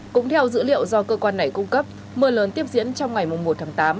cũng theo dữ liệu do cơ quan này cung cấp mưa lớn tiếp diễn trong ngày một tháng tám